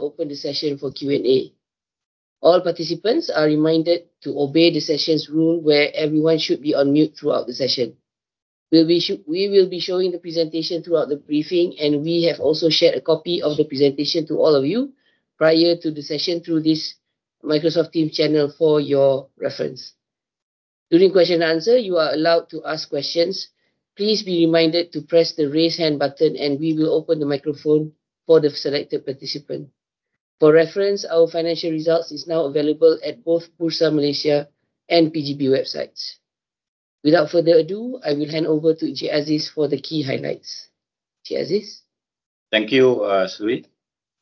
Open the session for Q&A. All participants are reminded to obey the session's rule where everyone should be on mute throughout the session. We will be showing the presentation throughout the briefing, and we have also shared a copy of the presentation to all of you prior to the session through this Microsoft Teams channel for your reference. During question and answer, you are allowed to ask questions. Please be reminded to press the raise hand button, and we will open the microphone for the selected participant. For reference, our financial results are now available at both Bursa Malaysia and PGB websites. Without further ado, I will hand over to Encik Aziz for the key highlights. Encik Aziz? Thank you, Suryanti.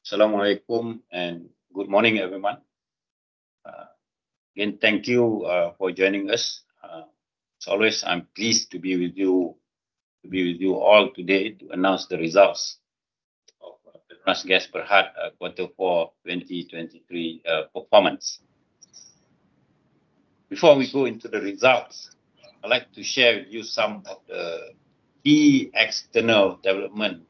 Assalamualaikum and good morning, everyone. Again, thank you for joining us. As always, I'm pleased to be with you all today to announce the results of PETRONAS Gas Berhad quarter four 2023 performance. Before we go into the results, I'd like to share with you some of the key external developments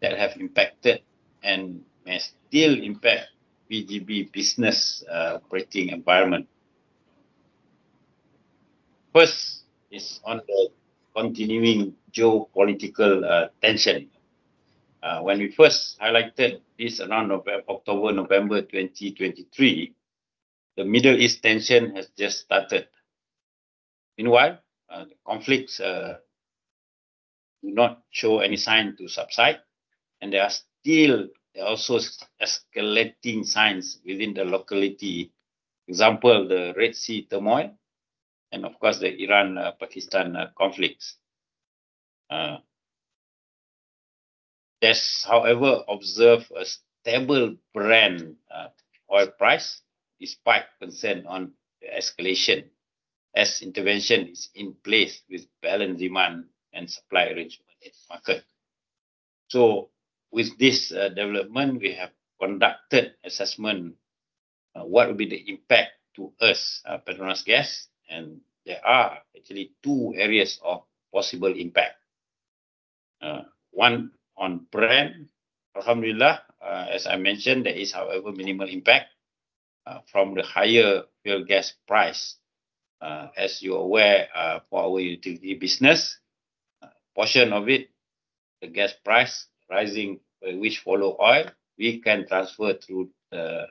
that have impacted and may still impact PGB business operating environment. First is on the continuing geopolitical tension. When we first highlighted this around October/November 2023, the Middle East tension has just started. Meanwhile, the conflicts do not show any sign to subside, and there are also escalating signs within the locality, example the Red Sea turmoil and, of course, the Iran-Pakistan conflicts. However, observe a stable Brent oil price despite concern on escalation as intervention is in place with balanced demand and supply arrangement in the market. So with this development, we have conducted assessment what will be the impact to us, PETRONAS Gas, and there are actually two areas of possible impact. One on demand, Alhamdulillah, as I mentioned, there is, however, minimal impact from the higher fuel gas price. As you are aware, for our utility business, a portion of it, the gas price rising which follow oil, we can transfer through the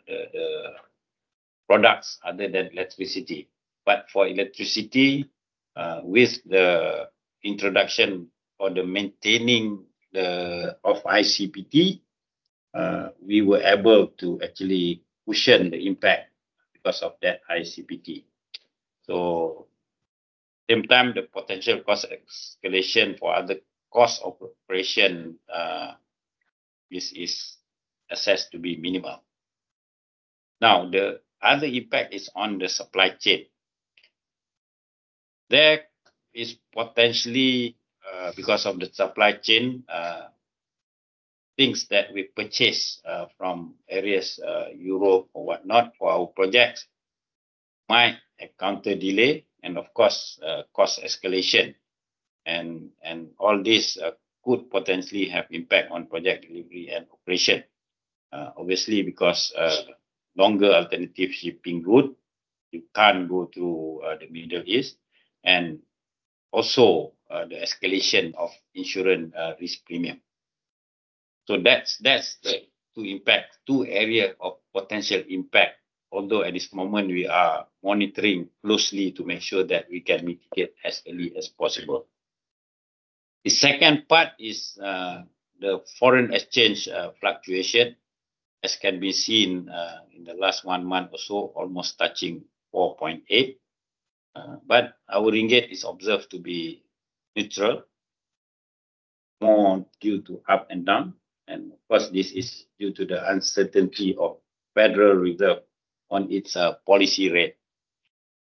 products other than electricity. But for electricity, with the introduction or the maintaining of ICPT, we were able to actually cushion the impact because of that ICPT. So same time, the potential cost escalation for other costs of operation is assessed to be minimal. Now, the other impact is on the supply chain. There is potentially, because of the supply chain, things that we purchase from areas Europe or whatnot for our projects might encounter delay and, of course, cost escalation. All this could potentially have impact on project delivery and operation. Obviously, because longer alternative shipping route, you can't go through the Middle East and also the escalation of insurance risk premium. That's the two impacts, two areas of potential impact, although at this moment we are monitoring closely to make sure that we can mitigate as early as possible. The second part is the foreign exchange fluctuation, as can be seen in the last 1 month or so, almost touching 4.8. But our ringgit is observed to be neutral, more due to up and down. And of course, this is due to the uncertainty of Federal Reserve on its policy rate.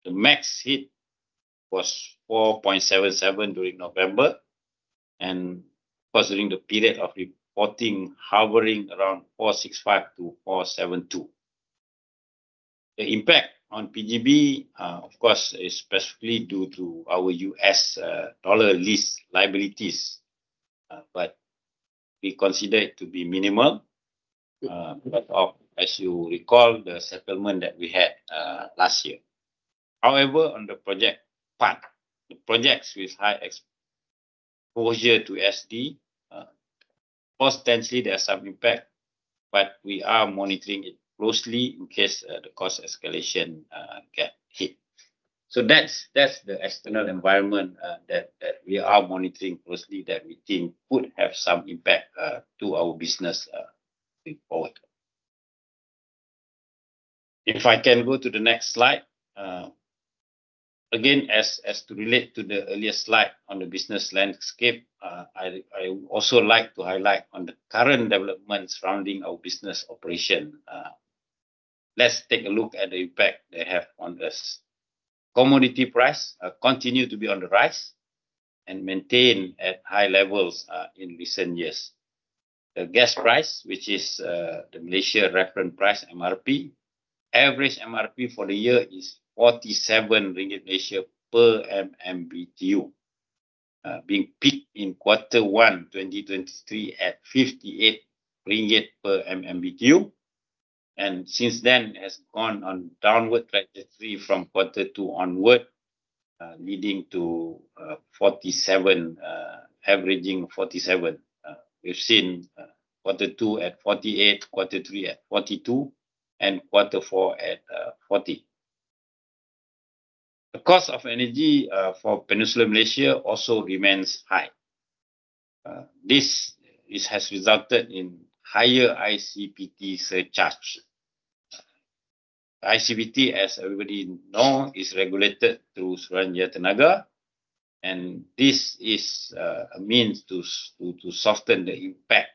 The max hit was 4.77 during November and, of course, during the period of reporting, hovering around 4.65-4.72. The impact on PGB, of course, is specifically due to our U.S. dollar lease liabilities, but we consider it to be minimal because of, as you recall, the settlement that we had last year. However, on the project part, the projects with high exposure to USD, potentially there are some impacts, but we are monitoring it closely in case the cost escalation gets hit. So that's the external environment that we are monitoring closely that we think could have some impact to our business going forward. If I can go to the next slide. Again, as to relate to the earlier slide on the business landscape, I also like to highlight on the current developments surrounding our business operation. Let's take a look at the impact they have on us. Commodity price continue to be on the rise and maintain at high levels in recent years. The gas price, which is the Malaysia Reference Price (MRP), average MRP for the year is 47 ringgit per MMBTU, being peaked in quarter one 2023 at 58 ringgit per MMBTU. Since then, it has gone on downward trajectory from quarter two onward, leading to averaging 47. We've seen quarter two at 48, quarter three at 42, and quarter four at 40. The cost of energy for Peninsula Malaysia also remains high. This has resulted in higher ICPT surcharge. ICPT, as everybody knows, is regulated through Suruhanjaya Tenaga, and this is a means to soften the impact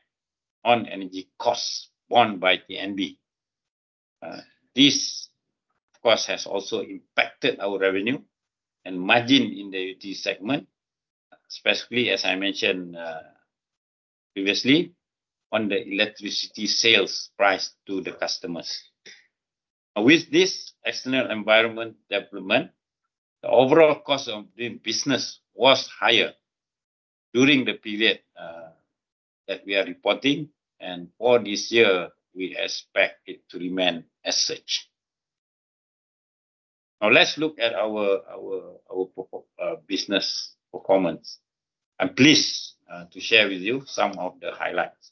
on energy costs borne by TNB. This, of course, has also impacted our revenue and margin in the utility segment, especially, as I mentioned previously, on the electricity sales price to the customers. With this external environment development, the overall cost of doing business was higher during the period that we are reporting, and for this year, we expect it to remain as such. Now, let's look at our business performance. I'm pleased to share with you some of the highlights.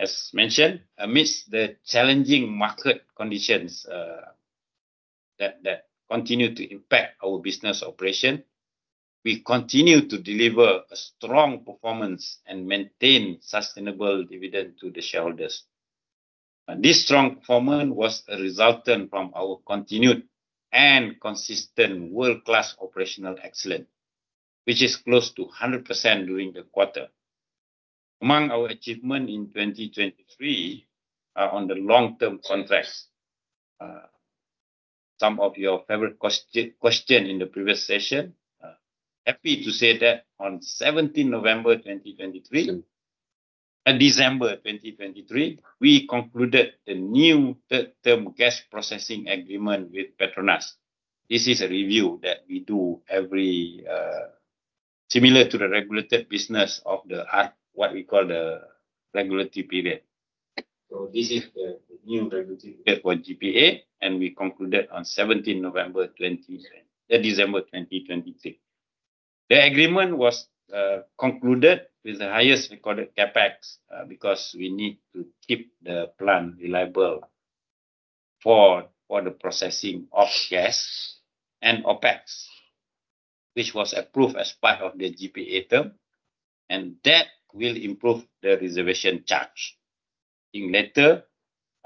As mentioned, amidst the challenging market conditions that continue to impact our business operation, we continue to deliver a strong performance and maintain sustainable dividend to the shareholders. This strong performance was resultant from our continued and consistent world-class operational excellence, which is close to 100% during the quarter. Among our achievements in 2023 on the long-term contracts. Some of your favorite question in the previous session. Happy to say that on 17 November 2023, December 2023, we concluded the new third-term Gas Processing Agreement with PETRONAS. This is a review that we do similar to the regulated business of what we call the regulatory period. So this is the new regulatory period for GPA, and we concluded on 17 November 2023. The agreement was concluded with the highest recorded CapEx because we need to keep the plan reliable for the processing of gas and OpEx, which was approved as part of the GPA term. And that will improve the reservation charge. I think later,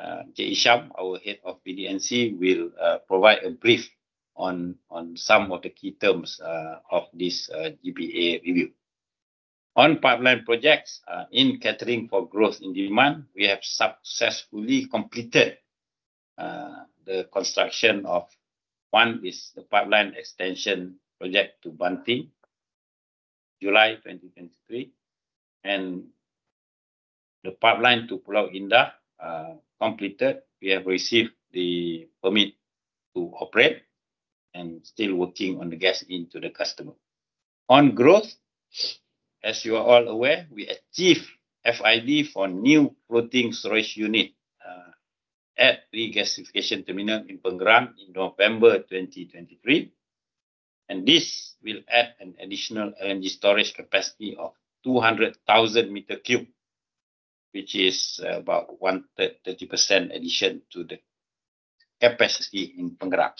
Encik Hisham, our head of BD&C, will provide a brief on some of the key terms of this GPA review. On pipeline projects in catering for growth in demand, we have successfully completed the construction of one is the pipeline extension project to Banting, July 2023. And the pipeline to Pulau Indah completed. We have received the permit to operate and still working on the gas into the customer. On growth, as you are all aware, we achieved FID for new floating storage unit at regasification terminal in Pengerang in November 2023. This will add an additional LNG storage capacity of 200,000 meters cubed, which is about 30% addition to the capacity in Pengerang.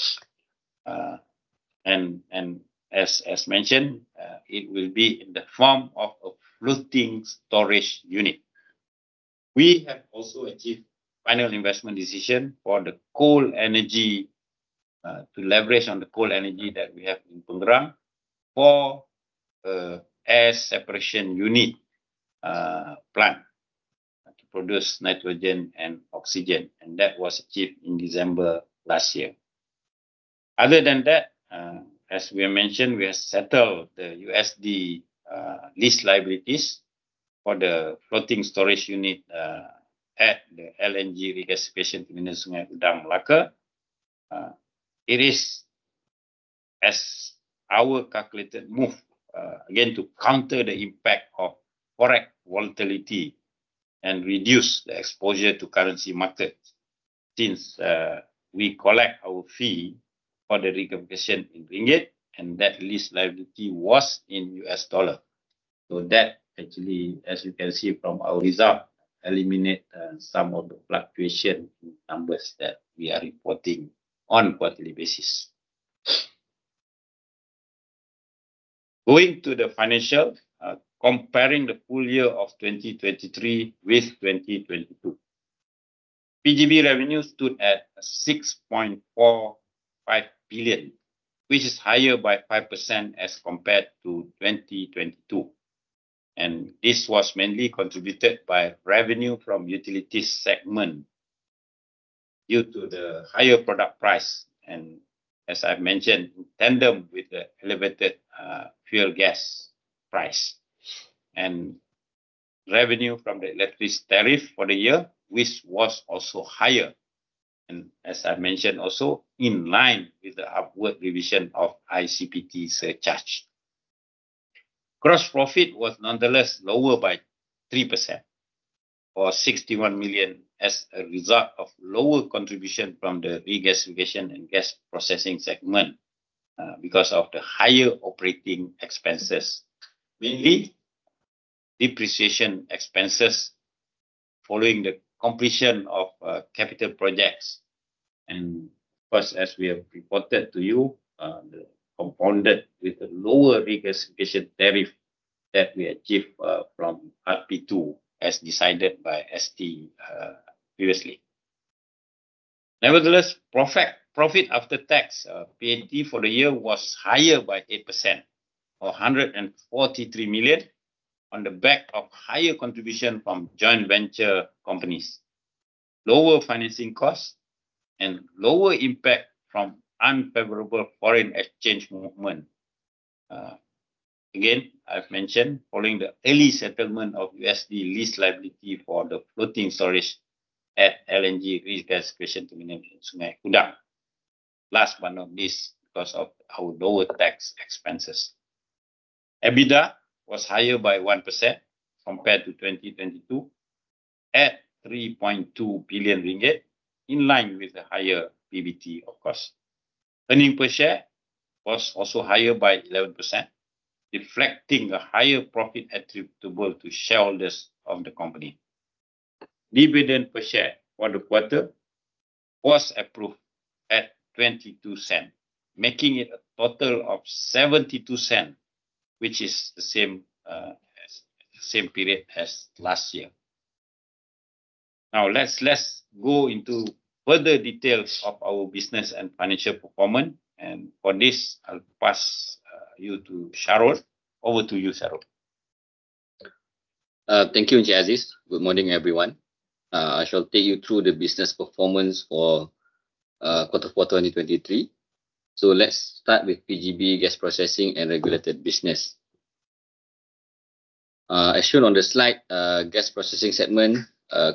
As mentioned, it will be in the form of a floating storage unit. We have also achieved final investment decision for the cold energy to leverage on the cold energy that we have in Pengerang for an air separation unit plant to produce nitrogen and oxygen. That was achieved in December last year. Other than that, as we have mentioned, we have settled the USD lease liabilities for the floating storage unit at the LNG regasification terminal Sungai Udang, Melaka. It is as our calculated move again to counter the impact of forex volatility and reduce the exposure to currency market since we collect our fee for the regasification in ringgit, and that lease liability was in U.S. dollar. So that actually, as you can see from our result, eliminates some of the fluctuation in numbers that we are reporting on a quarterly basis. Going to the financial, comparing the full year of 2023 with 2022, PGB revenue stood at 6.45 billion, which is higher by 5% as compared to 2022. And this was mainly contributed by revenue from utilities segment due to the higher product price and, as I've mentioned, in tandem with the elevated fuel gas price and revenue from the electricity tariff for the year, which was also higher. And as I mentioned also, in line with the upward revision of ICPT surcharge. Gross profit was nonetheless lower by 3% or 61 million as a result of lower contribution from the regasification and gas processing segment because of the higher operating expenses, mainly depreciation expenses following the completion of capital projects. And of course, as we have reported to you, this compounded with the lower regasification tariff that we achieve from RP2 as decided by ST previously. Nevertheless, profit after tax, PAT for the year was higher by 8% or 143 million on the back of higher contribution from joint venture companies, lower financing costs, and lower impact from unfavorable foreign exchange movement. Again, I've mentioned following the early settlement of USD lease liability for the floating storage at LNG regasification terminal Sungai Udang. Last but not least, because of our lower tax expenses, EBITDA was higher by 1% compared to 2022 at 3.2 billion ringgit in line with the higher PBT of course. Earnings per share was also higher by 11%, reflecting a higher profit attributable to shareholders of the company. Dividend per share for the quarter was approved at MYR 0.22, making it a total of 0.72, which is the same period as last year. Now, let's go into further details of our business and financial performance. And for this, I'll pass you to Shahrul. Over to you, Shahrul Azman. Thank you, Encik Aziz. Good morning, everyone. I shall take you through the business performance for quarter four 2023. So let's start with PGB gas processing and regulated business. As shown on the slide, gas processing segment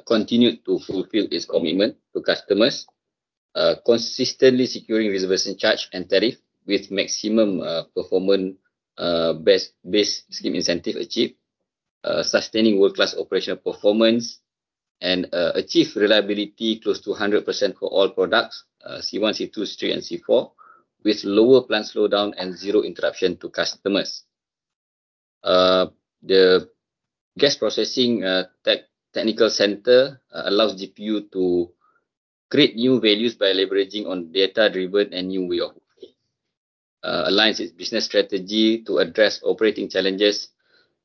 continued to fulfill its commitment to customers, consistently securing reservation charge and tariff with maximum performance-based scheme incentive achieved, sustaining world-class operational performance, and achieved reliability close to 100% for all products, C1, C2, C3, and C4, with lower plant slowdown and zero interruption to customers. The gas processing technical centre allows GPU to create new values by leveraging on data-driven and new way of aligning its business strategy to address operating challenges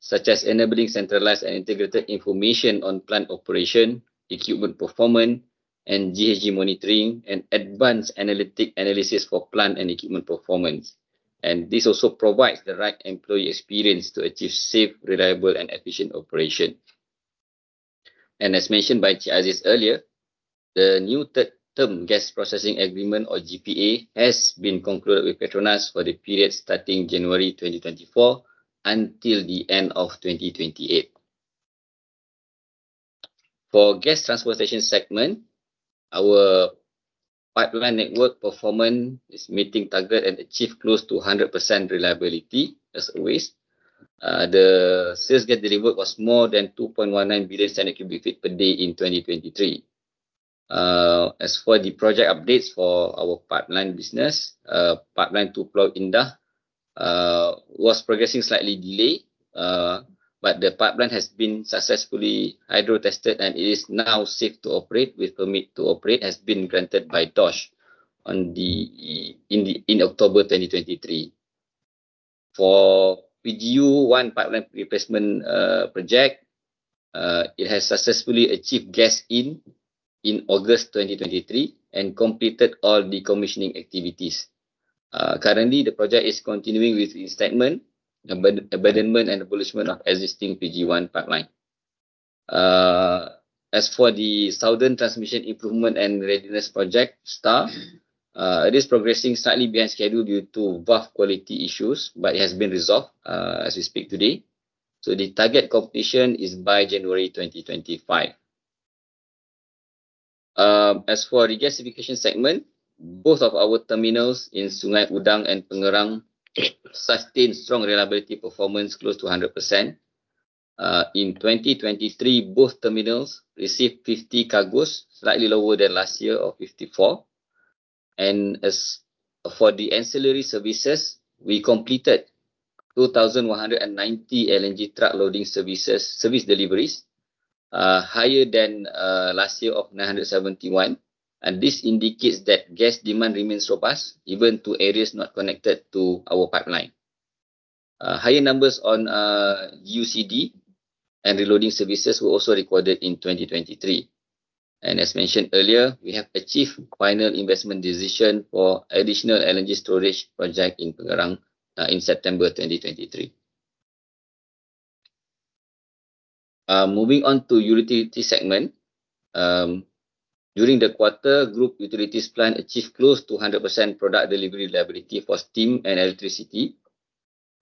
such as enabling centralized and integrated information on plant operation, equipment performance, and GHG monitoring, and advanced analytic analysis for plant and equipment performance. This also provides the right employee experience to achieve safe, reliable, and efficient operation. As mentioned by Encik Aziz earlier, the new third-term gas processing agreement or GPA has been concluded with PETRONAS for the period starting January 2024 until the end of 2028. For gas transportation segment, our pipeline network performance is meeting target and achieved close to 100% reliability as always. The sales gas delivered was more than 2.19 billion standard cu ft per day in 2023. As for the project updates for our pipeline business, pipeline to Pulau Indah was progressing slightly delayed, but the pipeline has been successfully hydro-tested and it is now safe to operate with permit to operate has been granted by DOSH in October 2023. For PGU One pipeline replacement project, it has successfully achieved gas in August 2023 and completed all decommissioning activities. Currently, the project is continuing with its statement, abandonment, and abolishment of existing PG1 pipeline. As for the Southern Transmission Improvement and Readiness project, STAR, it is progressing slightly behind schedule due to valve quality issues, but it has been resolved as we speak today. So the target completion is by January 2025. As for regasification segment, both of our terminals in Sungai Udang and Pengerang sustained strong reliability performance close to 100%. In 2023, both terminals received 50 cargoes, slightly lower than last year of 54. And for the ancillary services, we completed 2,190 LNG truck loading service deliveries, higher than last year of 971. And this indicates that gas demand remains robust even to areas not connected to our pipeline. Higher nu`mbers on GUCD and reloading services were also recorded in 2023. And as mentioned earlier, we have achieved Final Investment Decision for additional LNG storage project in Pengerang in September 2023. Moving on to utility segment. During the quarter, Group Utilities Plant achieved close to 100% product delivery reliability for steam and electricity.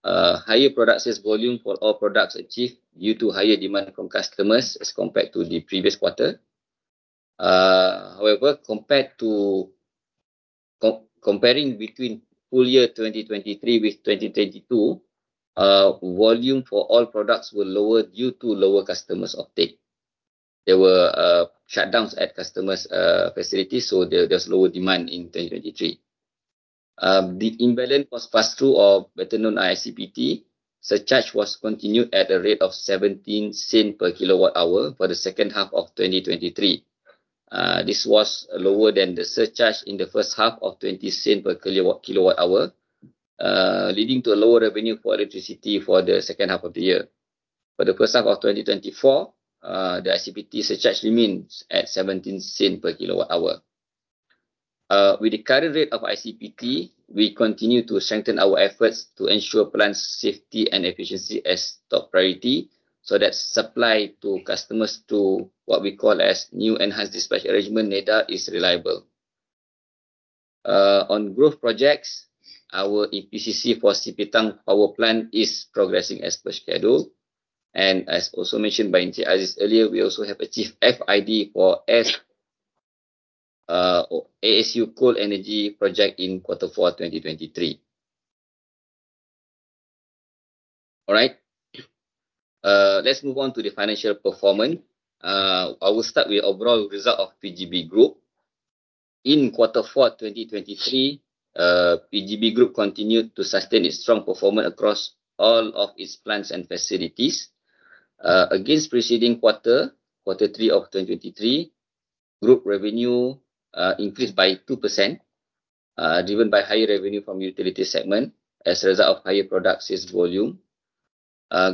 Higher product sales volume for all products achieved due to higher demand from customers as compared to the previous quarter. However, comparing between full year 2023 with 2022, volume for all products were lower due to lower customers' uptake. There were shutdowns at customers' facilities, so there was lower demand in 2023. The imbalance was passed through, better known as ICPT. Surcharge was continued at a rate of 17 sen per kWh for the second half of 2023. This was lower than the surcharge in the first half of 20 sen per kWh, leading to a lower revenue for electricity for the second half of the year. For the first half of 2024, the ICPT surcharge remains at 17 sen per kWh. With the current rate of ICPT, we continue to strengthen our efforts to ensure plant safety and efficiency as top priority so that supply to customers through what we call as new enhanced dispatch arrangement, NEDA, is reliable. On growth projects, our EPCC for Sipitang Power Plant is progressing as per schedule. And as also mentioned by Encik Aziz earlier, we also have achieved FID for ASU cold energy project in quarter four 2023. All right. Let's move on to the financial performance. I will start with the overall result of PGB Group. In quarter four 2023, PGB Group continued to sustain its strong performance across all of its plants and facilities. Against preceding quarter, quarter three of 2023, group revenue increased by 2% driven by higher revenue from utility segment as a result of higher product sales volume.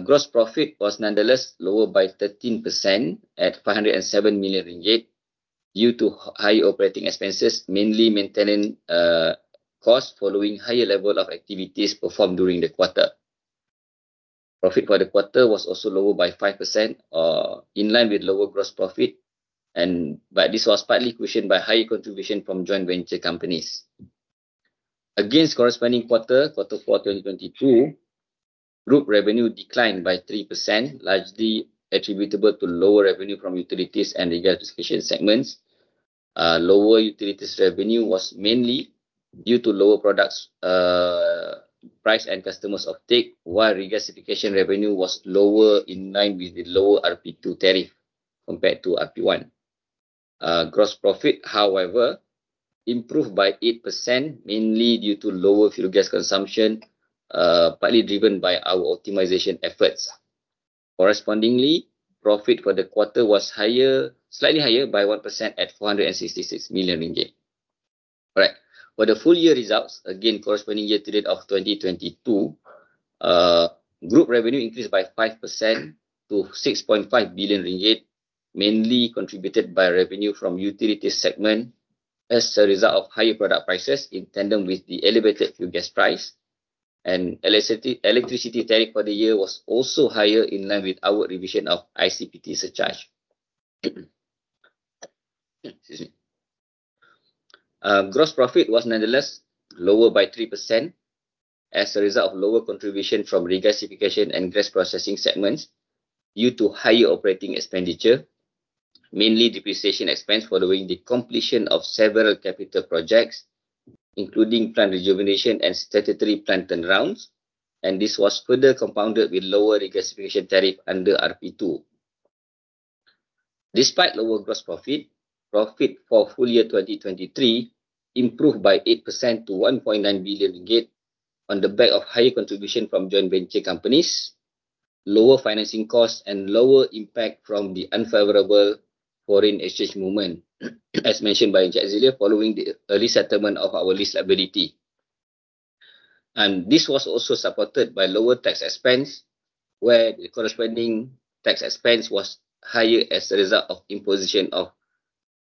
Gross profit was nonetheless lower by 13% at 507 million ringgit due to higher operating expenses, mainly maintenance costs following higher level of activities performed during the quarter. Profit for the quarter was also lower by 5% in line with lower gross profit, but this was partly cushioned by higher contribution from joint venture companies. Against corresponding quarter, quarter four 2022, group revenue declined by 3%, largely attributable to lower revenue from utilities and regasification segments. Lower utilities revenue was mainly due to lower product price and customers' uptake, while regasification revenue was lower in line with the lower RP2 tariff compared to RP1. Gross profit, however, improved by 8%, mainly due to lower fuel gas consumption, partly driven by our optimization efforts. Correspondingly, profit for the quarter was slightly higher by 1% at 466 million ringgit. All right. For the full year results, again, corresponding year to date of 2022, group revenue increased by 5% to 6.5 billion ringgit, mainly contributed by revenue from utilities segment as a result of higher product prices in tandem with the elevated fuel gas price. Electricity tariff for the year was also higher in line with our revision of ICPT surcharge. Gross profit was nonetheless lower by 3% as a result of lower contribution from regasification and gas processing segments due to higher operating expenditure, mainly depreciation expense following the completion of several capital projects, including plant rejuvenation and statutory plant turnarounds. This was further compounded with lower regasification tariff under RP2. Despite lower gross profit, profit for full year 2023 improved by 8% to 1.9 billion ringgit on the back of higher contribution from joint venture companies, lower financing costs, and lower impact from the unfavorable foreign exchange movement, as mentioned by Encik Aziz here following the early settlement of our lease liability. This was also supported by lower tax expense, where the corresponding tax expense was higher as a result of imposition of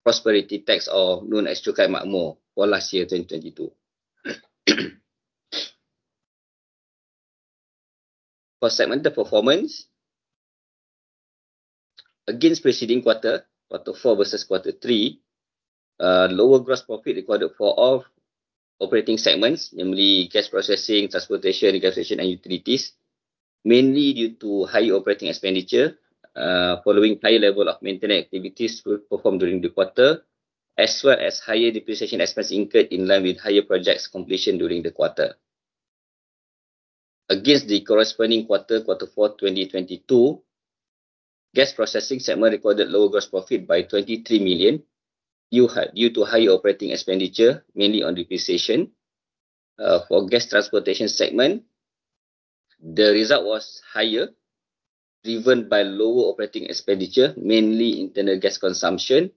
prosperity tax or known as Cukai Makmur for last year 2022. For segmental performance, against preceding quarter, quarter four versus quarter three, lower gross profit recorded for all operating segments, namely gas processing, transportation, regasification, and utilities, mainly due to higher operating expenditure following higher level of maintenance activities performed during the quarter, as well as higher depreciation expense incurred in line with higher projects completion during the quarter. Against the corresponding quarter, quarter four 2022, Gas Processing segment recorded lower gross profit by 23 million due to higher operating expenditure, mainly on depreciation. For Gas Transportation segment, the result was higher driven by lower operating expenditure, mainly internal gas consumption.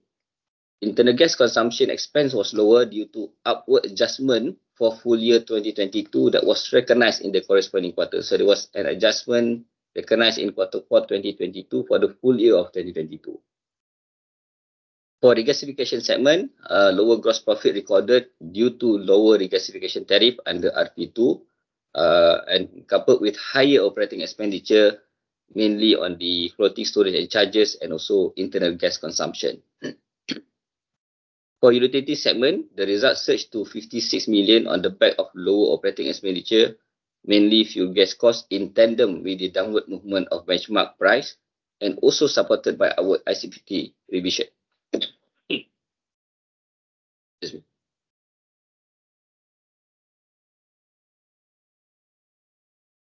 Internal gas consumption expense was lower due to upward adjustment for full year 2022 that was recognized in the corresponding quarter. So there was an adjustment recognized in quarter four 2022 for the full year of 2022. For Regasification segment, lower gross profit recorded due to lower regasification tariff under RP2 and coupled with higher operating expenditure, mainly on the floating storage and charges and also internal gas consumption. For Utilities segment, the result surged to 56 million on the back of lower operating expenditure, mainly fuel gas costs in tandem with the downward movement of benchmark price and also supported by our ICPT revision.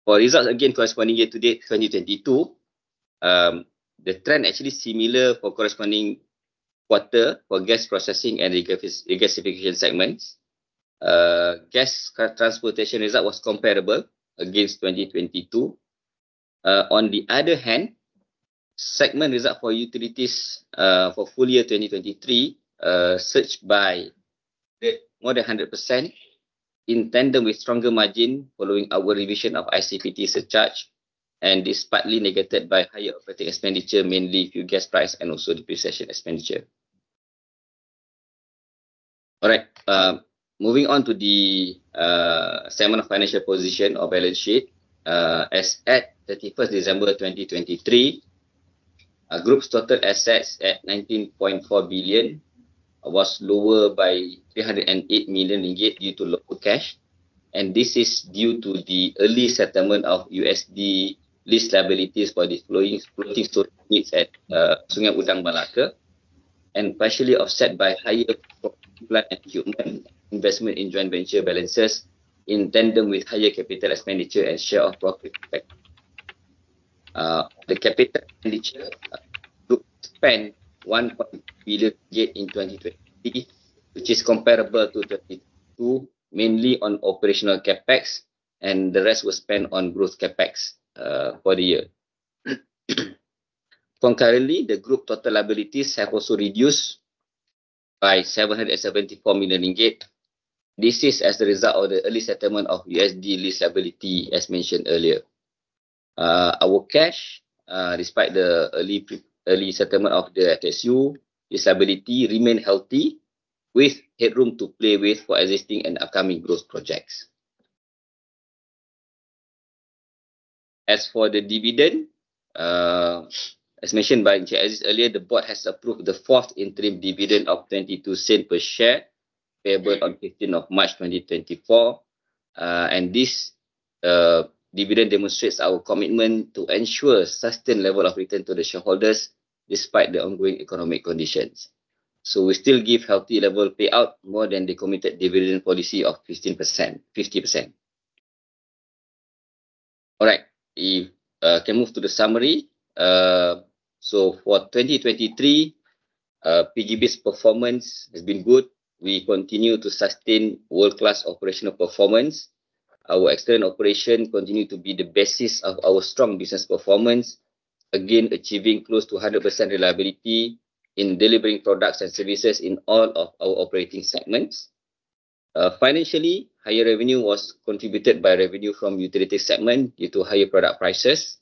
For results, again, corresponding year to date 2022, the trend actually is similar for corresponding quarter for gas processing and regasification segments. Gas transportation result was comparable against 2022. On the other hand, segment result for utilities for full year 2023 surged by more than 100% in tandem with stronger margin following our revision of ICPT surcharge. And this is partly negated by higher operating expenditure, mainly fuel gas price and also depreciation expenditure. All right. Moving on to the segment of financial position or balance sheet. As at 31 December 2023, group's total assets at 19.4 billion was lower by 308 million ringgit due to local cash. This is due to the early settlement of U.S. dollar lease liabilities for the floating storage units at Sungai Udang, Melaka, and partially offset by higher property plant and equipment investment in joint venture balances in tandem with higher capital expenditure and share of profit effect. The capital expenditure group spent MYR 1.8 billion in 2023, which is comparable to 2022, mainly on operational CapEx, and the rest was spent on gross CapEx for the year. Concurrently, the group total liabilities have also reduced by 774 million ringgit. This is as a result of the early settlement of U.S. dollar lease liability, as mentioned earlier. Our cash, despite the early settlement of the FSU, lease liability remained healthy with headroom to play with for existing and upcoming growth projects. As for the dividend, as mentioned by Encik Aziz earlier, the board has approved the fourth interim dividend of 0.22 per share payable on 15th of March 2024. This dividend demonstrates our commitment to ensure a sustained level of return to the shareholders despite the ongoing economic conditions. We still give a healthy level payout more than the committed dividend policy of 50%. All right. If I can move to the summary. For 2023, PGB's performance has been good. We continue to sustain world-class operational performance. Our external operation continues to be the basis of our strong business performance, again achieving close to 100% reliability in delivering products and services in all of our operating segments. Financially, higher revenue was contributed by revenue from utilities segment due to higher product prices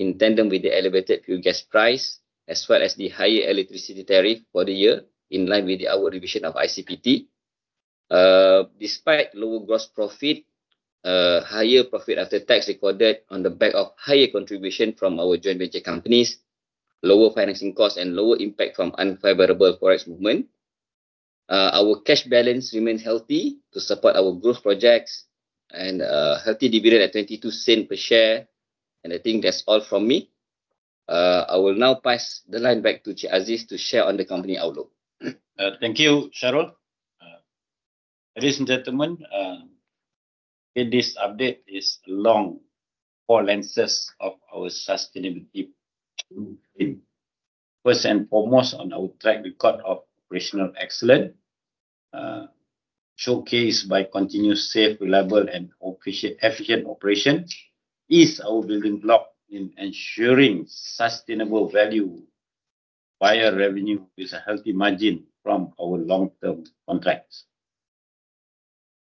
in tandem with the elevated fuel gas price as well as the higher electricity tariff for the year in line with our revision of ICPT. Despite lower gross profit, higher profit after tax recorded on the back of higher contribution from our joint venture companies, lower financing costs, and lower impact from unfavorable forex movement. Our cash balance remains healthy to support our growth projects and a healthy dividend at 0.22 per share. And I think that's all from me. I will now pass the line back to Encik Aziz to share on the company outlook. Thank you, Shahrul. Ladies and gentlemen, this update is a long forerunner of our sustainability. First and foremost, on our track record of operational excellence, showcased by continuous safe, reliable, and efficient operation, is our building block in ensuring sustainable value via revenue with a healthy margin from our long-term contracts.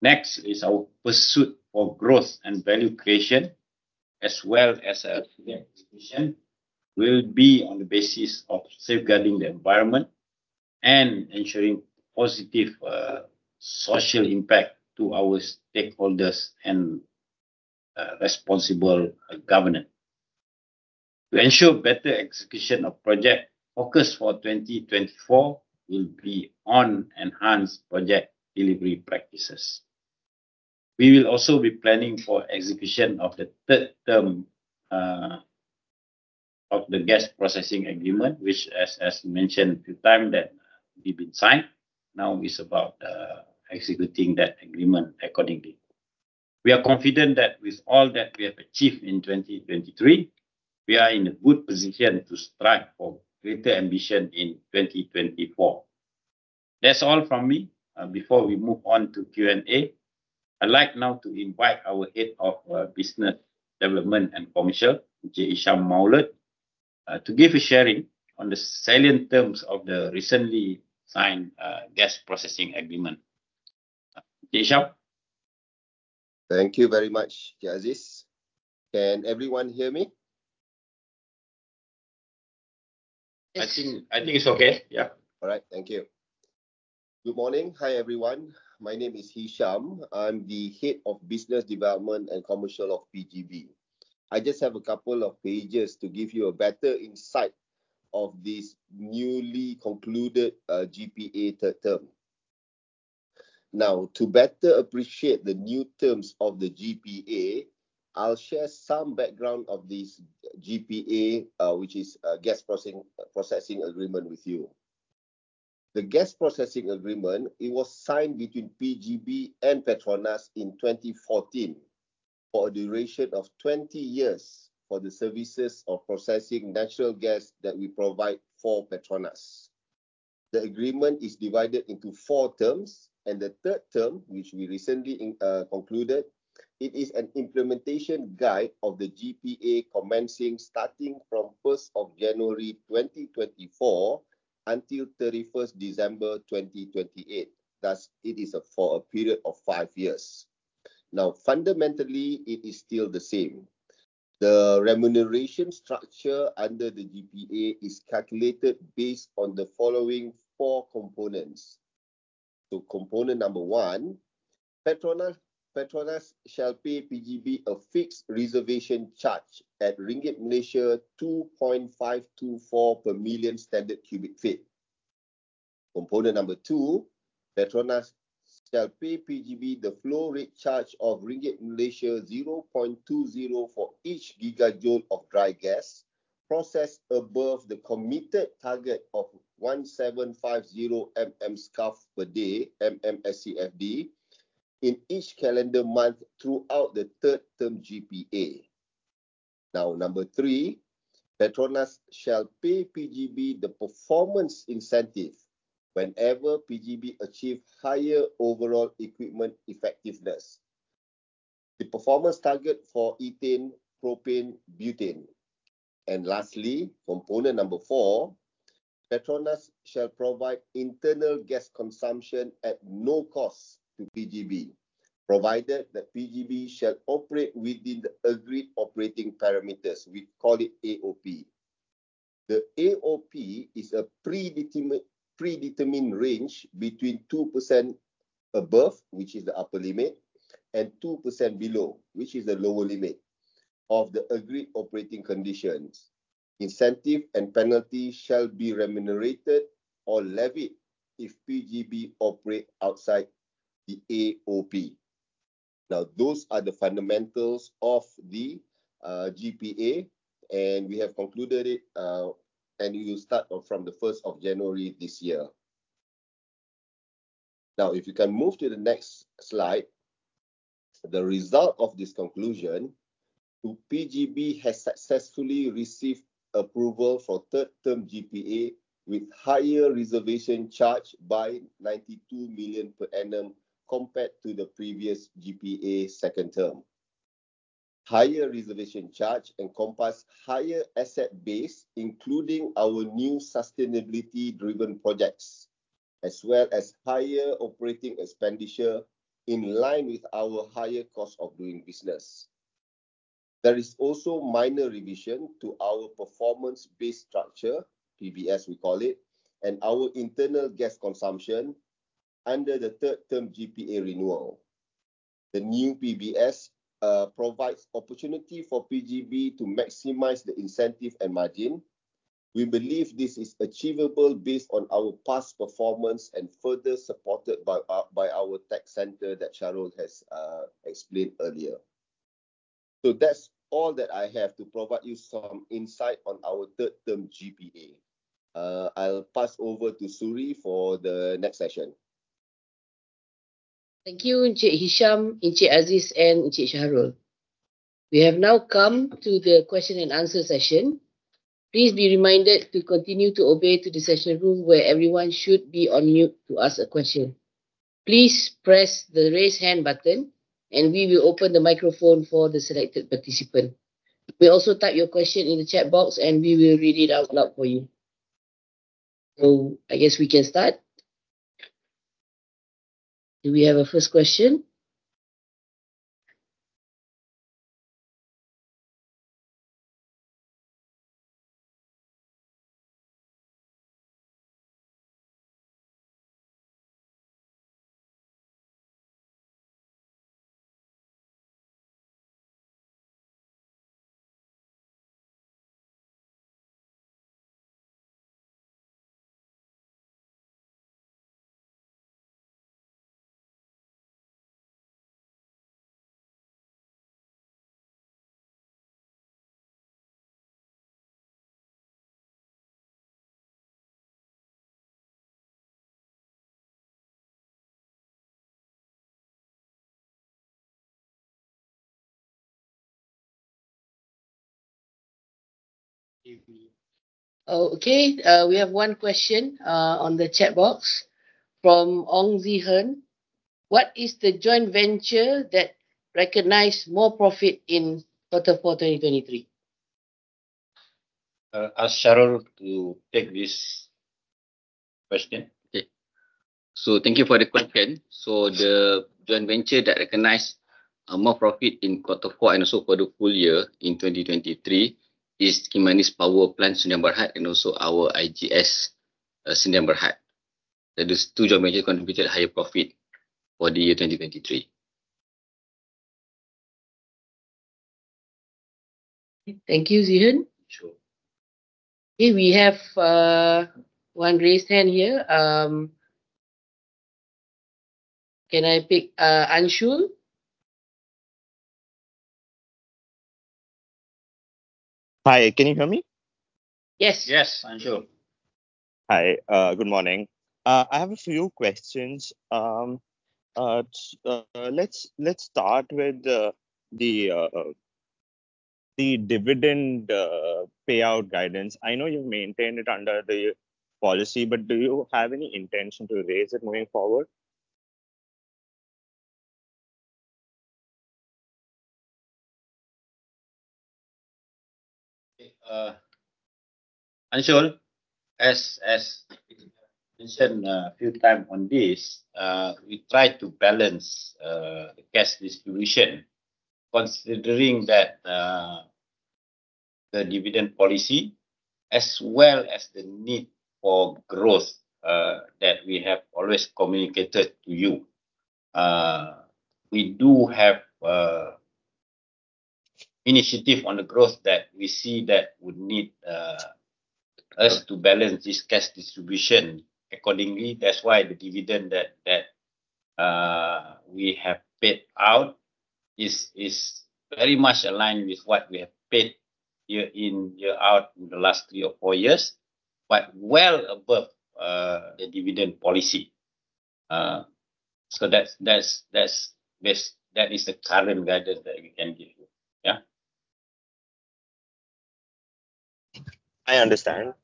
Next is our pursuit for growth and value creation as well as efficient revision will be on the basis of safeguarding the environment and ensuring positive social impact to our stakeholders and responsible governance. To ensure better execution of project focus for 2024 will be on enhanced project delivery practices. We will also be planning for execution of the third term of the gas processing agreement, which, as mentioned a few times, has been signed. Now it's about executing that agreement accordingly. We are confident that with all that we have achieved in 2023, we are in a good position to strive for greater ambition in 2024 That's all from me before we move on to Q&A. I'd like now to invite our Head of Business Development and Commercial, Encik Hisham Maaulot, to give a sharing on the salient terms of the recently signed gas processing agreement. Encik Hisham? Thank you very much, Encik Aziz. Can everyone hear me? I think it's okay. Yeah. All right. Thank you. Good morning. Hi, everyone. My name is Hisham. I'm the Head of Business Development and Commercial of PGB. I just have a couple of pages to give you a better insight of this newly concluded GPA third term. Now, to better appreciate the new terms of the GPA, I'll share some background of this GPA, which is a gas processing agreement, with you. The gas processing agreement, it was signed between PGB and PETRONAS in 2014 for a duration of 20 years for the services of processing natural gas that we provide for PETRONAS. The agreement is divided into four terms, and the third term, which we recently concluded, it is an implementation guide of the GPA commencing starting from 1st of January 2024 until 31st December 2028. Thus, it is for a period of five years. Now, fundamentally, it is still the same. The remuneration structure under the GPA is calculated based on the following four components. So component number one, PETRONAS shall pay PGB a fixed reservation charge at 2.524 ringgit per million standard cubic feet. Component number 2, PETRONAS shall pay PGB the flow rate charge of 0.20 ringgit for each gigajoule of dry gas processed above the committed target of 1,750 MMscfd in each calendar month throughout the third term GPA. Now, number threwe, PETRONAS shall pay PGB the performance incentive whenever PGB achieves higher overall equipment effectiveness, the performance target for ethane, propane, butane. And lastly, component number four, PETRONAS shall provide internal gas consumption at no cost to PGB, provided that PGB shall operate within the agreed operating parameters. We call it AOP. The AOP is a predetermined range between 2% above, which is the upper limit, and 2% below, which is the lower limit of the agreed operating conditions. Incentive and penalty shall be remunerated or levied if PGB operates outside the AOP. Now, those are the fundamentals of the GPA, and we have concluded it, and we will start from the 1st of January this year. Now, if you can move to the next slide, the result of this conclusion, PGB has successfully received approval for third term GPA with higher reservation charge by 92 million per annum compared to the previous GPA second term. Higher reservation charge encompasses higher asset base, including our new sustainability-driven projects, as well as higher operating expenditure in line with our higher cost of doing business. There is also minor revision to our performance-based structure, PBS we call it, and our internal gas consumption under the third term GPA renewal. The new PBS provides opportunity for PGB to maximize the incentive and margin. We believe this is achievable based on our past performance and further supported by our tech centre that Shahrul has explained earlier. So that's all that I have to provide you some insight on our third term GPA. I'll pass over to Suri for the next session. Thank you, Encik Hisham, Encik Aziz, and Encik Shahrul. We have now come to the Q&A session. Please be reminded to continue to obey to the session rule where everyone should be on mute to ask a question. Please press the raise hand button, and we will open the microphone for the selected participant. We also type your question in the chat box, and we will read it out loud for you. So I guess we can start. Do we have a first question? Okay. We have 1 question on the chat box from Ong Zihen. What is the joint venture that recognised more profit in quarter four 2023? Ask Shahrul to take this question. Okay. So thank you for the question. So the joint venture that recognized more profit in quarter four and also for the full year in 2023 is Kimanis Power Sdn Bhd and also our IGS Sdn Bhd. There are two joint ventures that contributed higher profit for the year 2023. Thank you, Zihen. Sure. Okay. We have one raised hand here. Can I pick Anshul? Hi. Can you hear me? Yes. Yes, Anshul. Hi. Good morning. I have a few questions. Let's start with the dividend payout guidance. I know you maintain it under the policy, but do you have any intention to raise it moving forward? Anshul, as mentioned a few times on this, we try to balance the cash distribution considering the dividend policy as well as the need for growth that we have always communicated to you. We do have initiative on the growth that we see that would need us to balance this cash distribution accordingly. That's why the dividend that we have paid out is very much aligned with what we have paid year in, year out in the last three or four years, but well above the dividend policy. So that is the current guidance that we can give you. Yeah. I understand.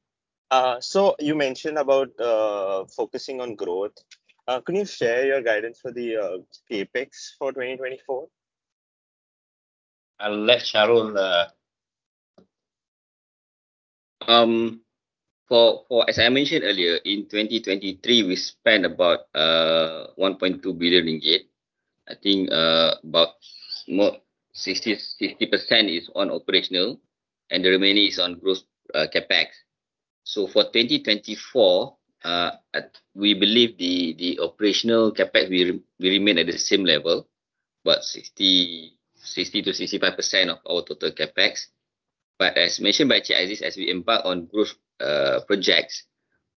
You mentioned about focusing on growth. Can you share your guidance for the CapEx for 2024? I'll let Shahrul. As I mentioned earlier, in 2023, we spent about 1.2 billion ringgit. I think about 60% is on operational, and the remaining is on growth CapEx. So for 2024, we believe the operational CapEx will remain at the same level, but 60%-65% of our total CapEx. But as mentioned by Encik Aziz, as we embark on growth projects,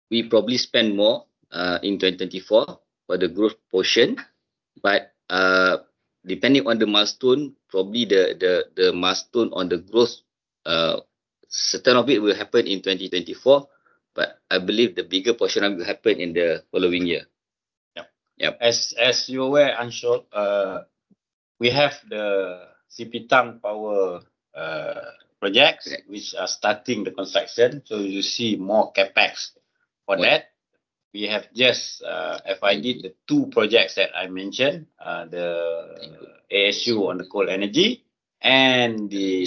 we probably spend more in 2024 for the growth portion. But depending on the milestone, probably the milestone on the growth, certain of it will happen in 2024, but I believe the bigger portion will happen in the following year. Yep. Yep. As you're aware, Anshul, we have the Sipitang Power projects, which are starting the construction. So you see more CapEx for that. We have just FID the two projects that I mentioned, the ASU on the cold energy and the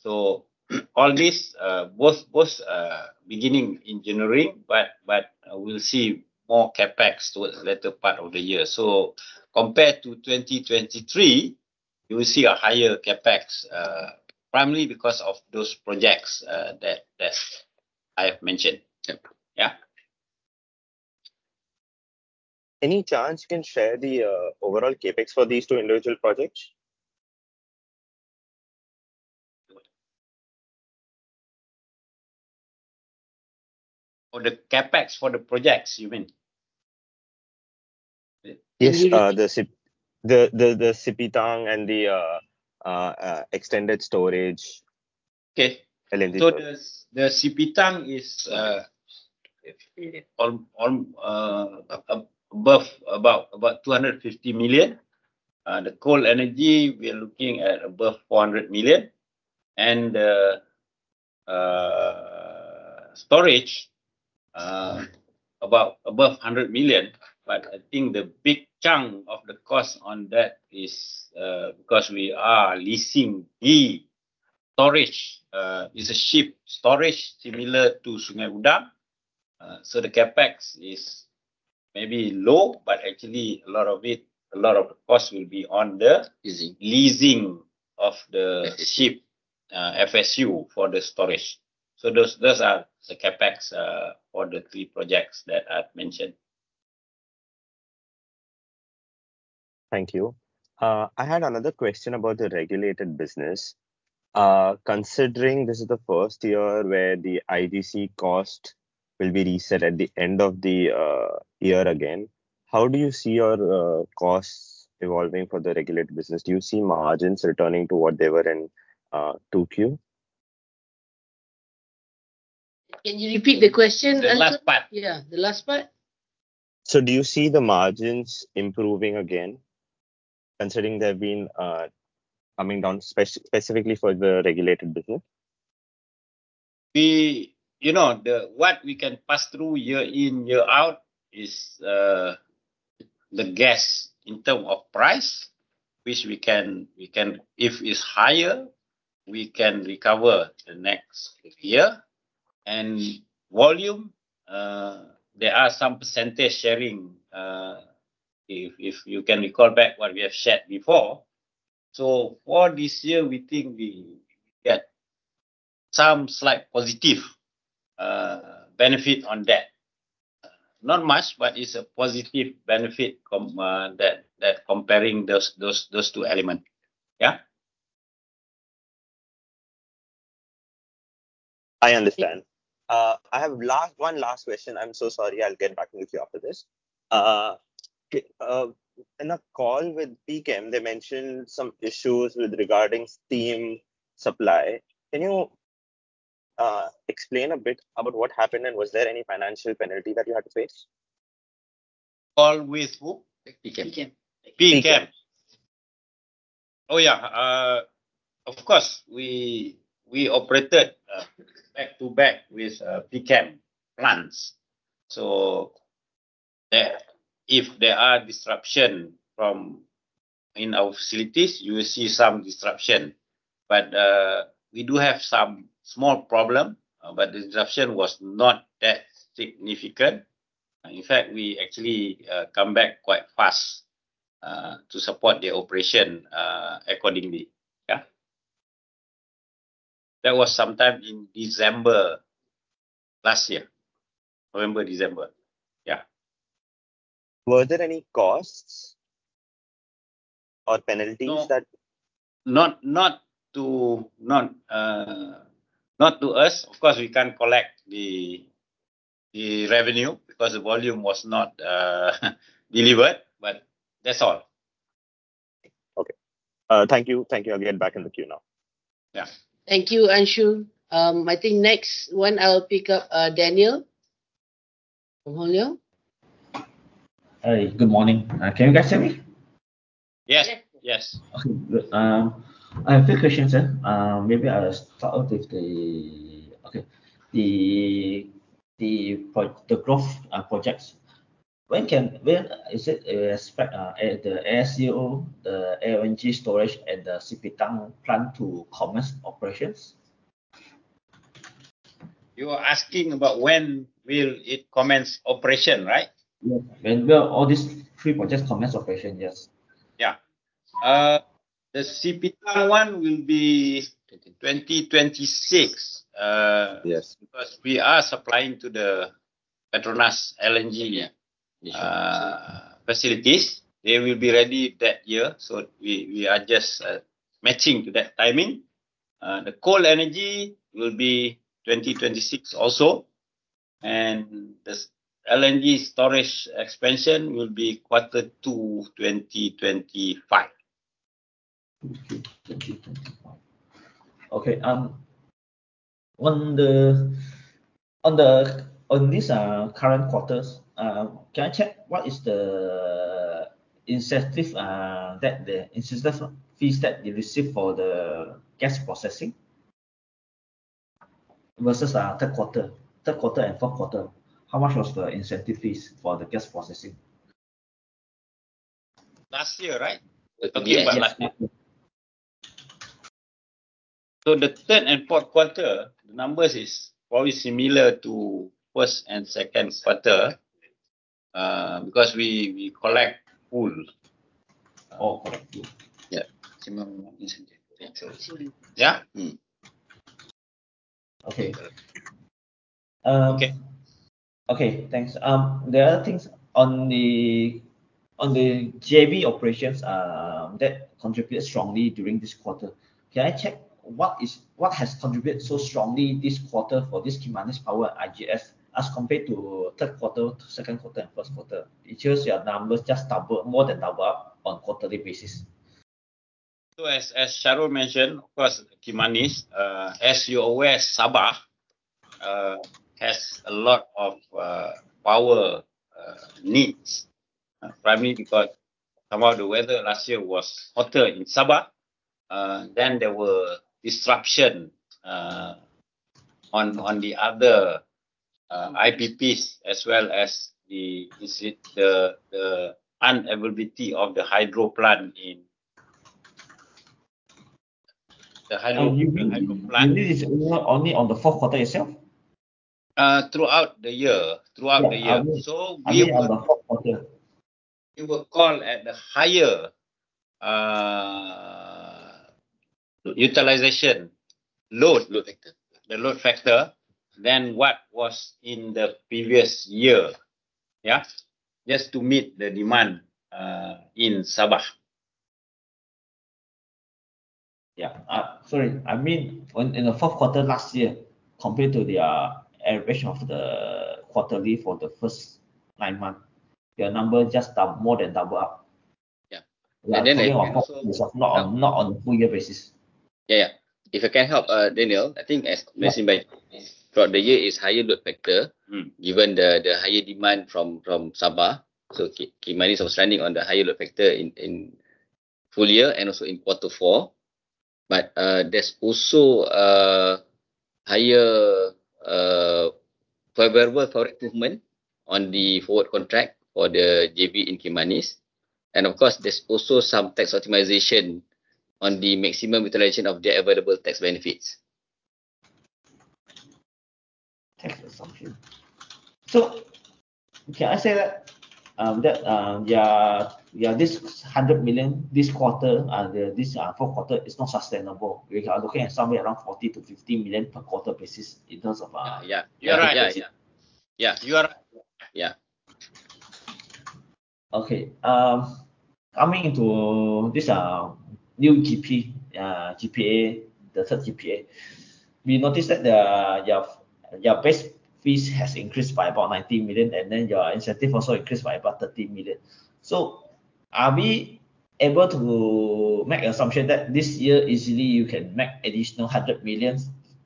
storage. So all this, both beginning in January, but we'll see more CapEx towards the later part of the year. So compared to 2023, you will see a higher CapEx, primarily because of those projects that I have mentioned. Yeah. Any chance you can share the overall CapEx for these two individual projects? For the CapEx for the projects, you mean? Yes. The Sipitang and the extended storage. Okay. So the Sipitang is above about 250 million. The Kimanis, we are looking at above 400 million. And the storage, above 100 million. But I think the big chunk of the cost on that is because we are leasing the storage. It's a ship storage similar to Sungai Udang. So the CapEx is maybe low, but actually a lot of it, a lot of the cost will be on the leasing of the ship FSU for the storage. So those are the CapEx for the three projects that I've mentioned. Thank you. I had another question about the regulated business. Considering this is the first year where the IDC cost will be reset at the end of the year again, how do you see your costs evolving for the regulated business? Do you see margins returning to what they were in 2Q? Can you repeat the question? The last part. Yeah. The last part. Do you see the margins improving again, considering they've been coming down specifically for the regulated business? What we can pass through year in, year out is the gas in terms of price, which if it's higher, we can recover the next year. And volume, there are some percentage sharing if you can recall back what we have shared before. So for this year, we think we get some slight positive benefit on that. Not much, but it's a positive benefit comparing those two elements. Yeah. I understand. I have one last question. I'm so sorry. I'll get back with you after this. In a call with PCHEM, they mentioned some issues regarding steam supply. Can you explain a bit about what happened, and was there any financial penalty that you had to face? Call with who? PCHEM. PCHEM. PCHEM. Oh, yeah. Of course, we operated back to back with PCHEM plants. So if there are disruptions in our facilities, you will see some disruption. But we do have some small problem, but the disruption was not that significant. In fact, we actually come back quite fast to support the operation accordingly. Yeah. That was sometime in December last year, November, December. Yeah. Were there any costs or penalties that? Not to us. Of course, we can't collect the revenue because the volume was not delivered, but that's all. Okay. Thank you. Thank you again. Back in the queue now. Yeah. Thank you, Anshul. I think next one, I'll pick up Daniel from Hong Leong. Hi. Good morning. Can you guys hear me? Yes. Yes. Okay. I have a few questions, sir. Maybe I'll start out with. The growth projects, when is it we expect the ASU, the LNG storage, and the Sipitang plant to commence operations? You are asking about when will it commence operation, right? Yes. When will all these three projects commence operation? Yes. Yeah. The Sipitang one will be 2026 because we are supplying to the PETRONAS LNG facilities. They will be ready that year. So we are just matching to that timing. The coal energy will be 2026 also. And the LNG storage expansion will be quarter 2 2025. Okay. Thank you. Thank you. Okay. On these current quarters, can I check what is the incentive fees that you receive for the gas processing versus third quarter? Third quarter and fourth quarter, how much was the incentive fees for the gas processing? Last year, right? Okay. But last year. The third and fourth quarter, the numbers is probably similar to first and second quarter because we collect pool. Oh, collect pool. Yeah. Thanks. There are things on the JV operations that contributed strongly during this quarter. Can I check what has contributed so strongly this quarter for this Kimanis Power, IGS as compared to third quarter, second quarter, and first quarter? It shows your numbers just doubled, more than doubled up on a quarterly basis. So as Shahrul mentioned, of course, Kimanis, as you're aware, Sabah has a lot of power needs, primarily because some of the weather last year was hotter in Sabah. Then there were disruptions on the other IPPs as well as the unavailability of the hydro plant. You mean only on the fourth quarter yourself? Throughout the year. Throughout the year. So we will call at the higher utilization load factor than what was in the previous year. Yeah. Just to meet the demand in Sabah. Yeah. Sorry. I mean, in the fourth quarter last year, compared to the elevation of the quarterly for the first nine months, your number just more than doubled up. Yeah. I think also it's not on a full-year basis. Yeah. Yeah. If I can help, Daniel, I think as mentioned by throughout the year, it's higher load factor given the higher demand from Sabah. So Kimanis was running on the higher load factor in full year and also in quarter four. But there's also higher per variable power improvement on the forward contract for the JV in Kimanis. And of course, there's also some tax optimisation on the maximum utilization of their available tax benefits. Thanks. That's all for you. So can I say that this 100 million this quarter, this fourth quarter, is not sustainable? We are looking at somewhere around 40 million-50 million per quarter basis in terms of. Yeah. You are right. Yeah. Yeah. You are right. Yeah. Okay. Coming into this new GPA, the third GPA, we noticed that your base fees have increased by about RM 90 million, and then your incentive also increased by about RM 30 million. So are we able to make an assumption that this year, easily, you can make additional RM 100 million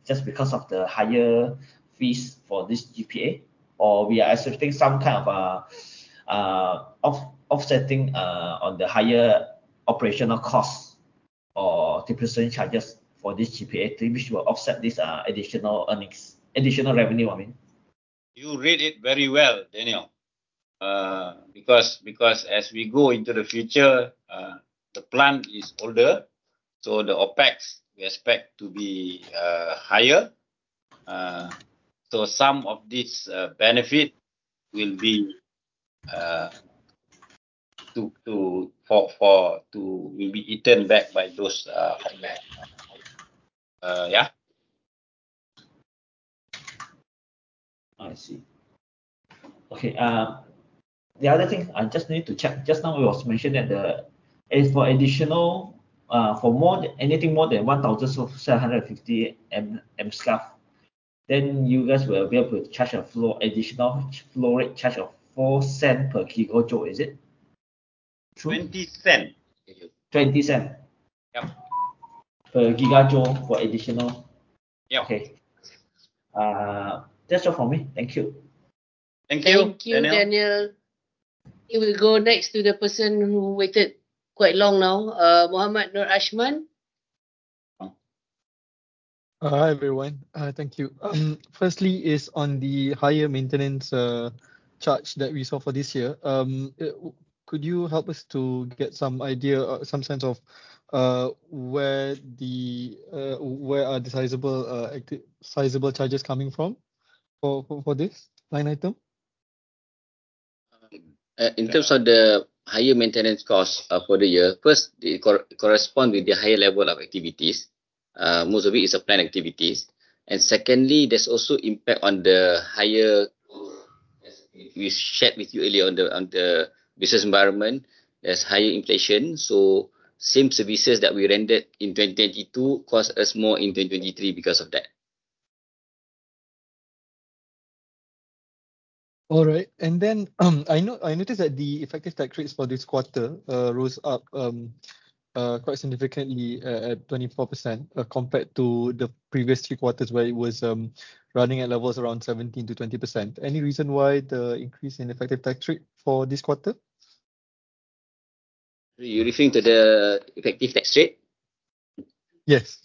just because of the higher fees for this GPA, or we are accepting some kind of offsetting on the higher operational costs or 10% charges for this GPA, which will offset this additional revenue, I mean? You read it very well, Daniel, because as we go into the future, the plant is older, so the OpEx we expect to be higher. So some of these benefits will be eaten back by those OpEx. Yeah. I see. Okay. The other thing, I just need to check. Just now, it was mentioned that for anything more than 1,750 MSCF, then you guys will be able to charge an additional floor rate charge of 0.04 per gigajoule, is it? 20 cents. 20 cents. Yep. Per gigajoule for additional. Yep. Okay. That's all from me. Thank you. Thank you. Thank you, Daniel. We will go next to the person who waited quite long now, Mohammad Nor Ashman. Hi, everyone. Thank you. Firstly, it's on the higher maintenance charge that we saw for this year. Could you help us to get some idea, some sense of where are the sizable charges coming from for this line item? In terms of the higher maintenance costs for the year, first, it corresponds with the higher level of activities. Most of it is planned activities. And secondly, there's also impact on the higher as we shared with you earlier on the business environment, there's higher inflation. So same services that we rendered in 2022 cost us more in 2023 because of that. All right. I noticed that the effective tax rates for this quarter rose up quite significantly at 24% compared to the previous three quarters where it was running at levels around 17%-20%. Any reason why the increase in effective tax rate for this quarter? You're referring to the effective tax rate? Yes.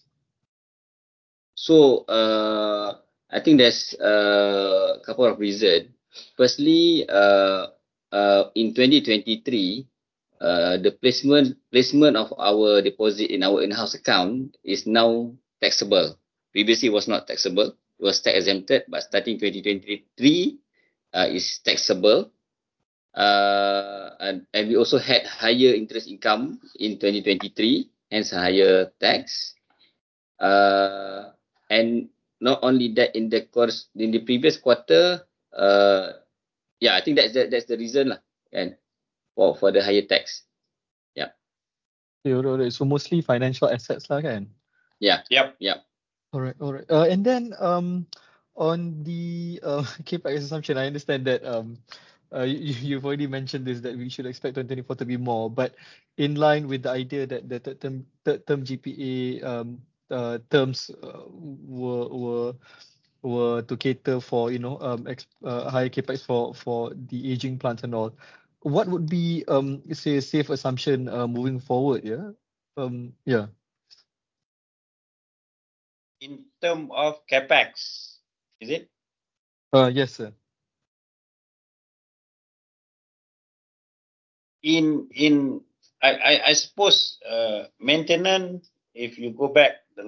So I think there's a couple of reasons. Firstly, in 2023, the placement of our deposit in our in-house account is now taxable. Previously, it was not taxable. It was tax-exempted, but starting 2023, it's taxable. And we also had higher interest income in 2023, hence higher tax. And not only that, in the previous quarter, yeah, I think that's the reason for the higher tax. Yeah. Okay. All right. So mostly financial assets lah, kan? Yeah. Yep. Yep. All right. All right. And then on the KPI assumption, I understand that you've already mentioned this that we should expect 2024 to be more. But in line with the idea that the third-term GPA terms were to cater for higher KPIs for the aging plants and all, what would be a safe assumption moving forward, yeah? Yeah. In terms of KPIs, is it? Yes, sir. I suppose maintenance, if you go back to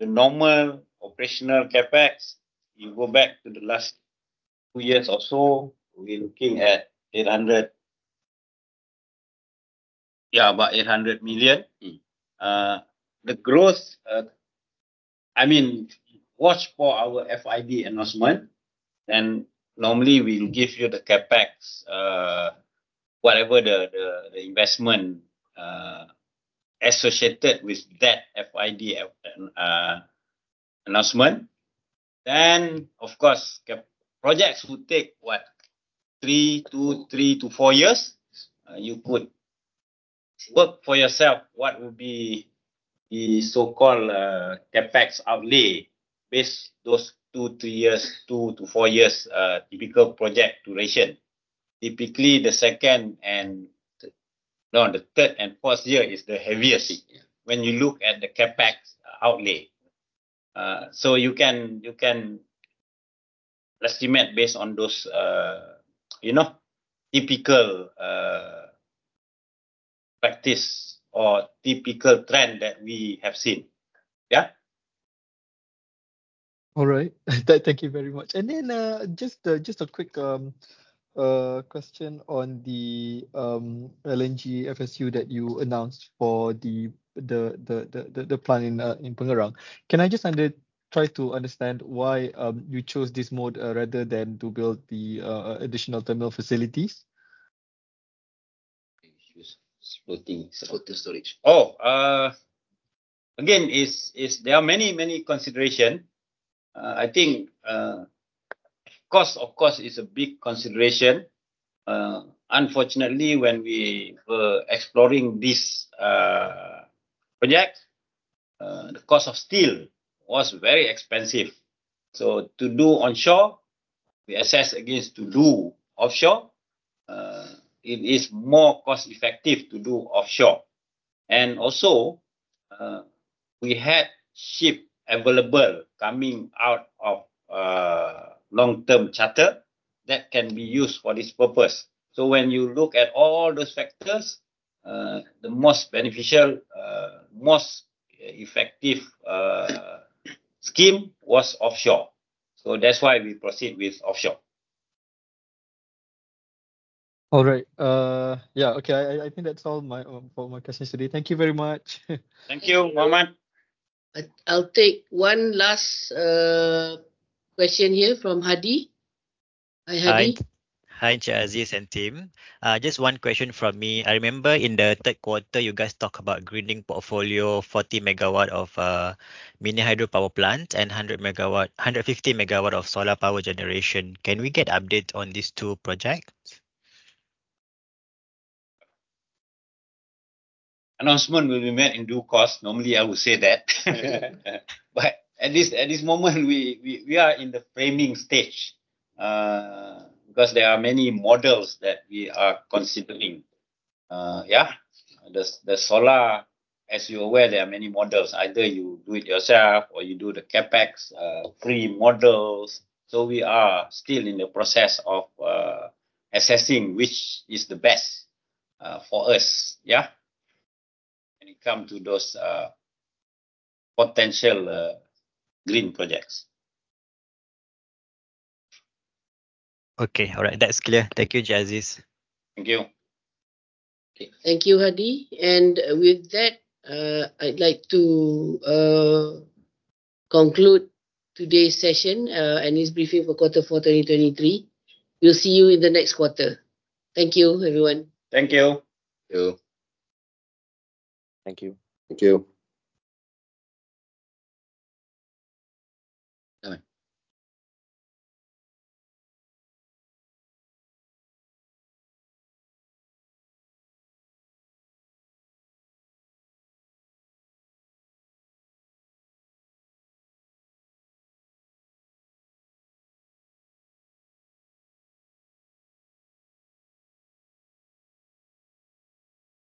the normal operational KPIs, you go back to the last two years or so, we're looking at 800. Yeah, about MYR 800 million. The growth, I mean, watch for our FID announcement, then normally, we'll give you the KPIs, whatever the investment associated with that FID announcement. Then, of course, projects would take what, three, two to four years. You could work for yourself what would be the so-called KPIs outlay based on those two, three years, two to four years typical project duration. Typically, the second and no, the third and fourth year is the heaviest when you look at the KPIs outlay. So you can estimate based on those typical practice or typical trend that we have seen. Yeah? All right. Thank you very much. Just a quick question on the LNG FSU that you announced for the plant in Pengerang. Can I just try to understand why you chose this mode rather than to build the additional terminal facilities? Issues floating storage. Oh, again, there are many, many considerations. I think cost, of course, is a big consideration. Unfortunately, when we were exploring this project, the cost of steel was very expensive. So to do onshore, we assess against to do offshore. It is more cost-effective to do offshore. And also, we had ship available coming out of long-term charter that can be used for this purpose. So when you look at all those factors, the most beneficial, most effective scheme was offshore. So that's why we proceed with offshore. All right. Yeah. Okay. I think that's all for my questions today. Thank you very much. Thank you, Mohammad. I'll take one last question here from Hadhi. Hi, Hadhi. Hi, Haji Aziz and team. Just one question from me. I remember in the third quarter, you guys talked about greening portfolio, 40 MW of mini hydropower plant and 150 MW of solar power generation. Can we get updates on these two projects? Announcement will be made in due course. Normally, I would say that. But at this moment, we are in the framing stage because there are many models that we are considering. Yeah. The solar, as you're aware, there are many models. Either you do it yourself or you do the KPIs free models. So we are still in the process of assessing which is the best for us, yeah, when it comes to those potential green projects. Okay. All right. That's clear. Thank you, Haji Aziz. Thank you. Thank you, Hadhi. With that, I'd like to conclude today's session and this briefing for quarter four 2023. We'll see you in the next quarter. Thank you, everyone. Thank you. Thank you. Thank you.